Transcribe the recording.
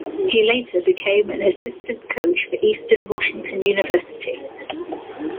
He later became an assistant coach for Eastern Washington University.